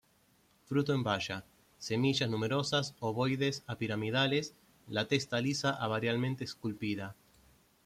Fruto en baya; semillas numerosas, ovoides a piramidales, la testa lisa a variadamente esculpida.